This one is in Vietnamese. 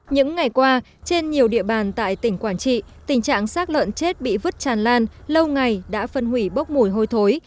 những ngày qua trên nhiều địa bàn tại tỉnh quảng trị tình trạng sắc lợn chết bị vứt tràn lan lâu ngày đã phân hủy bốc mùi hôi thối